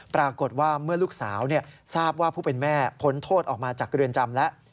ปรากฏว่าเมื่อลูกสาวทราบว่าผู้เป็นแม่พ้นโทษออกมาจากเรือนจำแล้ว